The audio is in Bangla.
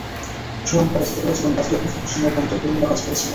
স্মরণ করা যেতে পারে, জীবন বাজি রেখে ফুকুশিমার প্ল্যান্টের কর্মীরা কাজ করেছিলেন।